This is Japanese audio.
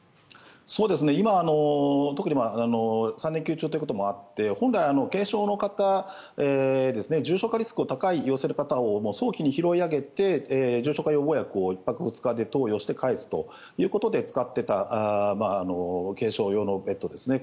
今、特に３連休中ということもあって本来重症化リスクの高い陽性の方を早期に拾い上げて重症化予防薬を１泊２日で投与して帰すということで使っていた軽症用のベッドですね。